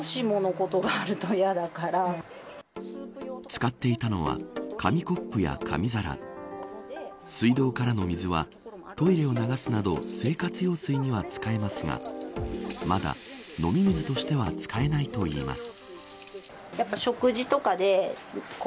使っていたのは紙コップや紙皿水道からの水はトイレに流すなど生活用水には使えますがまだ、飲み水としては使えないといいます。